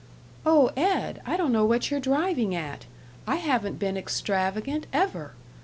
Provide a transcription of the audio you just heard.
"Oh, Ed, I don't know what you're driving at. I haven't been extravagant, ever.